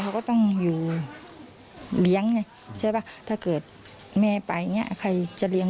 เขาก็ต้องอยู่เลี้ยงไงใช่ป่ะถ้าเกิดแม่ไปอย่างนี้ใครจะเลี้ยง